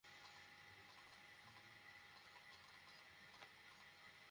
খাবার রেডি করো।